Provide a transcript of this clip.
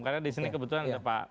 karena di sini kebetulan ada pak roy